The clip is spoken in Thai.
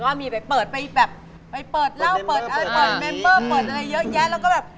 ก็มีไปเปิดไปแบบไปเปิดเล่าเปิดเมมเบอร์เปิดอะไรเยอะแยะเราก็แบบ